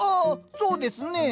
そうですねぇ。